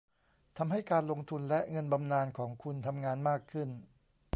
ทำให้การลงทุนและเงินบำนาญของคุณทำงานมากขึ้น